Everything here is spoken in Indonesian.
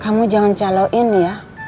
kamu jangan kasih harga miminti